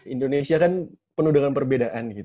indonesia kan penuh dengan perbedaan